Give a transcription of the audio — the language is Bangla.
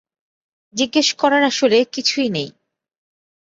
জিজ্ঞেস করার আসলে কিছু নাই।